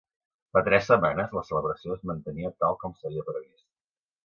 Fa tres setmanes, la celebració es mantenia tal com s'havia previst.